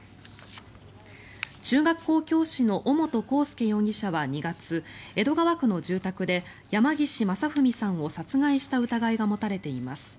中学校教師の尾本幸祐容疑者は２月江戸川区の住宅で山岸正文さんを殺害した疑いが持たれています。